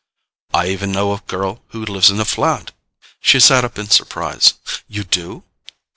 "I even know a girl who lives in a flat." She sat up in surprise. "You do?"